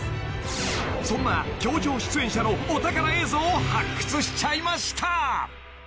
［そんな『教場』出演者のお宝映像を発掘しちゃいました］